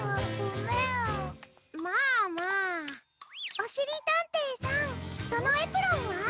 おしりたんていさんそのエプロンは？